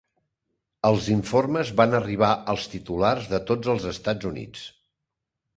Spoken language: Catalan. Els informes van arribar als titulars a tots els Estats Units.